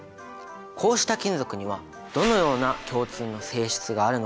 こうした金属にはどのような共通の性質があるのか？